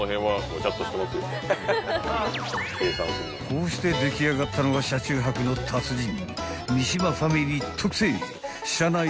［こうして出来上がったのは車中泊の達人］